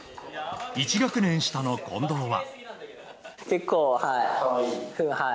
１学年下の近藤は。